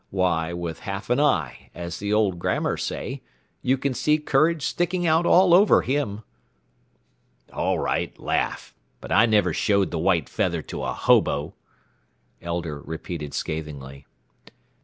Why, 'with half an eye,' as the old grammars say, you can see courage sticking out all over him." "All right, laugh. But I never showed the white feather to a hobo," Elder repeated scathingly.